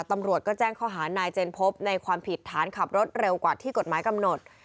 ตำรวจก็แจ้งข้อหานายเจนพบในความผิดฐานขับรถเร็วกว่าที่กฎหมายกำหนด